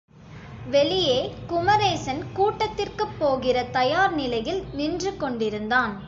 வெளியே குமரேசன் கூட்டத்திற்குப் போகிற தயார் நிலையில் நின்று கொண்டிருந்தான்.